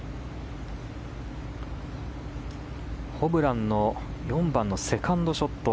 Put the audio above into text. ホブランの４番のセカンドショット。